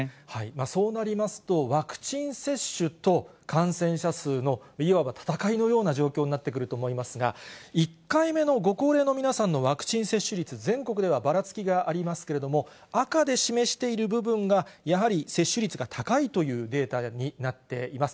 そうなりますと、ワクチン接種と感染者数の、いわば闘いのような状況になってくると思いますが、１回目のご高齢の皆さんのワクチン接種率、全国ではばらつきがありますけれども、赤で示している部分がやはり接種率が高いというデータになっています。